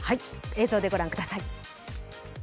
映像でご覧ください。